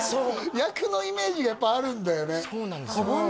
役のイメージがやっぱあるんだよねそうなんですよ